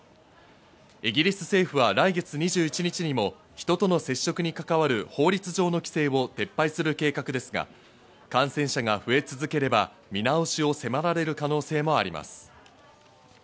イギリス政府は来月２１日にも人との接触に関わる法律上の規制を撤廃する計画ですが、感染者が増え続ければ、見直しを迫られる可能性もあります。